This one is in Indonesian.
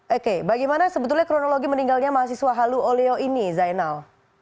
oke bagaimana sebetulnya kronologi meninggalnya mahasiswa halu oleo ini zainal